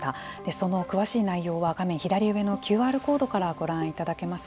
その詳しい内容は画面左上のＱＲコードからご覧いただけます。